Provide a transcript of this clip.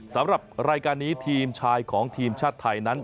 สำหรับรายการนี้ทีมชายของทีมชาติไทยนั้น